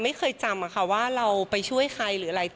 ไม่เคยจำว่าเราไปช่วยใครหรืออะไร